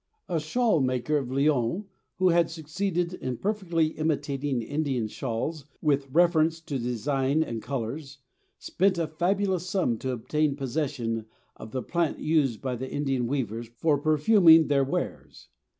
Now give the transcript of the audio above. A shawl maker of Lyons, who had succeeded in perfectly imitating Indian shawls with reference to design and colors, spent a fabulous sum to obtain possession of the plant used by the Indian weavers for perfuming their wares.